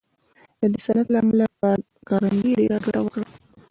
د دې صنعت له امله کارنګي ډېره ګټه وکړه